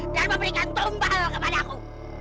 dan memberikan tumbal kepada aku